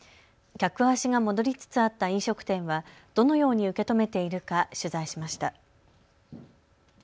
客足が戻りつつあった飲食店はどのように受け止めているか取材しました。